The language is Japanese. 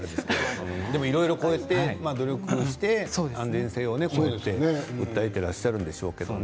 でもいろいろこうやって努力して安全性をね、訴えていらっしゃるんでしょうけどね。